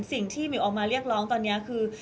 สิ่งที่หมิวออกมาเรียกร้องตอนนี้คือ